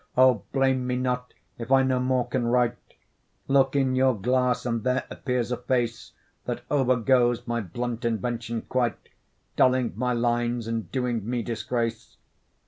O! blame me not, if I no more can write! Look in your glass, and there appears a face That over goes my blunt invention quite, Dulling my lines, and doing me disgrace.